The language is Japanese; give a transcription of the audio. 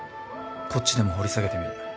こっちでも掘り下げてみる。